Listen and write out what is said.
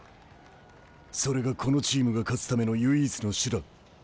それがこのチームが勝つための唯一の手段。